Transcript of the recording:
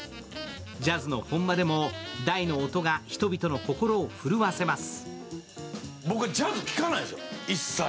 ジャズの本場でも大の音が人々の心を震わせます。